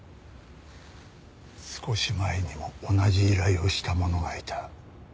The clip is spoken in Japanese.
少し前にも同じ依頼をした者がいた。